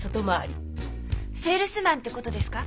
セールスマンってことですか？